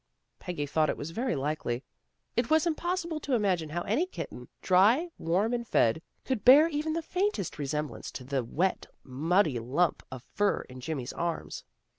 Peggy thought it was very likely. It was AT HOME WITH THE DUNNS 131 impossible to imagine how any kitten dry, warm and fed, could bear even the faintest resemblance to the wet, muddy lump of fur in Jimmy's arms.